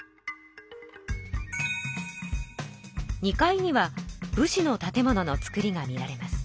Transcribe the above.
２階には武士の建物の作りが見られます。